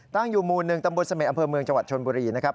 ตั้งอยู่หมู่๑ตำบลเสม็ดอำเภอเมืองจังหวัดชนบุรีนะครับ